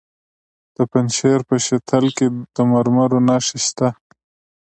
د پنجشیر په شتل کې د مرمرو نښې شته.